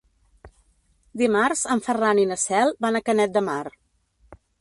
Dimarts en Ferran i na Cel van a Canet de Mar.